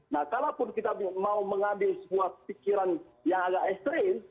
nah kalaupun kita mau mengambil sebuah pikiran yang agak ekstrim